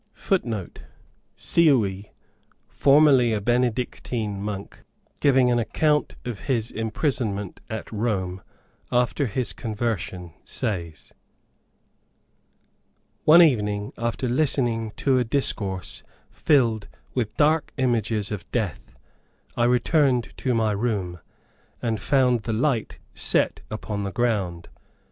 [Footnote: Cioui, formerly a Benedictine Monk, giving an account of his imprisonment at Rome, after his conversion says: "One evening, after listening to a discourse filled with dark images of death, I returned to my room, and found the light set upon the ground.